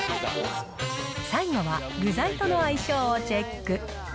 最後は、具材との相性をチェック。